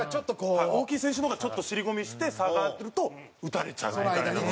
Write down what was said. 副島：大きい選手の方がちょっと尻込みして下がると打たれちゃうみたいなので。